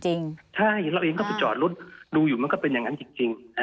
ใช่เราเองก็ไปจอดรถดูอยู่มันก็เป็นอย่างนั้นจริง